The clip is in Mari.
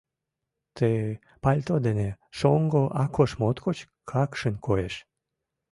Ты пальто дене шоҥго Акош моткоч какшин коеш.